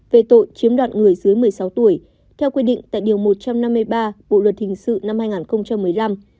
về tội chiếm đoạt người dưới một mươi sáu tuổi theo quy định tại điều một trăm năm mươi ba bộ luật hình sự năm hai nghìn một mươi năm